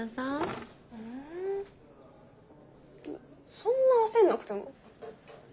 そんな焦んなくても。